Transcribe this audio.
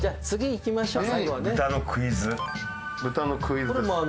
いきましょう。